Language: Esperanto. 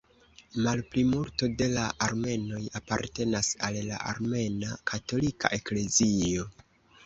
Malplimulto de la armenoj apartenas al la Armena Katolika Eklezio.